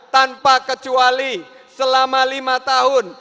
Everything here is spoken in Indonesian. tanpa kecuali selama lima tahun